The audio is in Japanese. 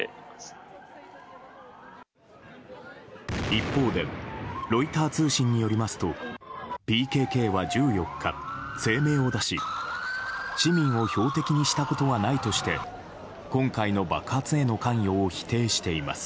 一方でロイター通信によりますとＰＫＫは１４日、声明を出し市民を標的にしたことはないとして今回の爆発への関与を否定しています。